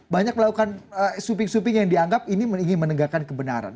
banyak melakukan sweeping sweeping yang dianggap ini ingin menegakkan kebenaran